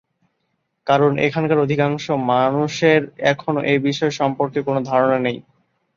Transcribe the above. কারণ এখানকার অধিকাংশ মানুষের, এখনো এ বিষয়ে সম্পর্কে কোন ধারণা নেই।